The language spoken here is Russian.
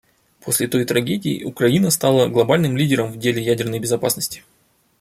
После той трагедии Украина стала глобальным лидером в деле ядерной безопасности.